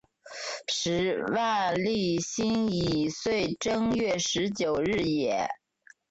时万历辛己岁正月十九日也。